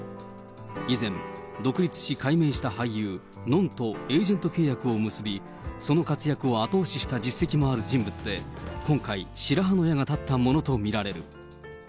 以前、独立し、改名した俳優、のんとエージェント契約を結び、その活躍を後押しした実績もある人物で、今回、白羽の矢が立ったものと見られる。